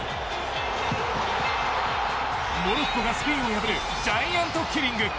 モロッコがスペインを破るジャイアントキリング。